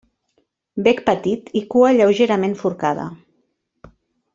Bec petit i cua lleugerament forcada.